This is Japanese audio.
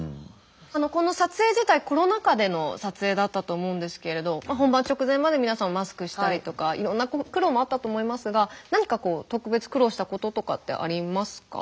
この撮影自体コロナ禍での撮影だったと思うんですけれど本番直前まで皆さんマスクしたりとかいろんな苦労もあったと思いますが何かこう特別苦労したこととかってありますか？